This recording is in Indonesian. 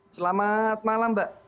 selamat malam mbak